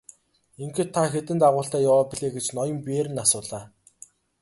Ингэхэд та хэдэн дагуултай яваа билээ гэж ноён Берн асуулаа.